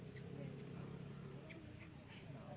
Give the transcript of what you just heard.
กลุ่มอักษรมัน